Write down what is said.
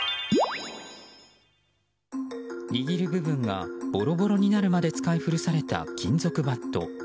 握る部分がボロボロになるまで使い古された金属バット。